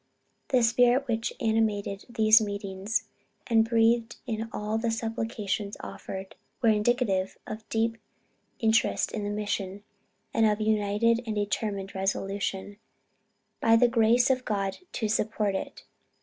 The spirit which animated these meetings, and breathed in all the supplications offered, was indicative of deep interest in the mission, and of united and determined resolution, by the grace of God to support it.